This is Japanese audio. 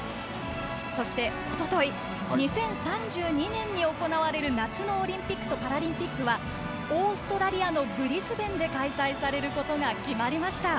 そして、おととい２０３２年に行われる夏のオリンピックとパラリンピックはオーストラリアのブリスベンで開催されることが決まりました。